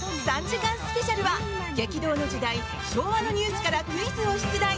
３時間スペシャルは激動の時代、昭和のニュースからクイズを出題。